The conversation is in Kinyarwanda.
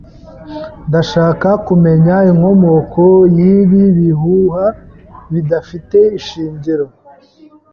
Ndashaka kumenya inkomoko yibi bihuha bidafite ishingiro.